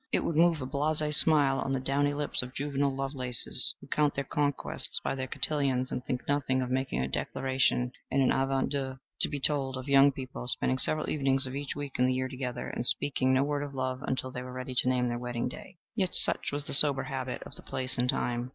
It would move a blasÈ smile on the downy lips of juvenile Lovelaces, who count their conquests by their cotillons, and think nothing of making a declaration in an avant deux, to be told of young people spending several evenings of each week in the year together, and speaking no word of love until they were ready to name their wedding day. Yet such was the sober habit of the place and time.